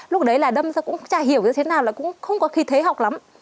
lúc đấy là đâm ra cũng chả hiểu như thế nào là cũng không có khí thế học lắm